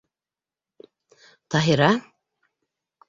Таһира: